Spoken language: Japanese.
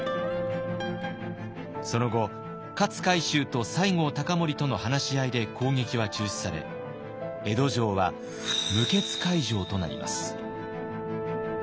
その後勝海舟と西郷隆盛との話し合いで攻撃は中止され江戸城は無血開城となります。